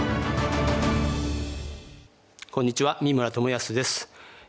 こんにちは三村智保です。